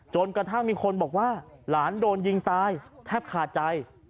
จนกระทั่งมีคนบอกว่าหลานโดนยิงตายแทบขาดใจ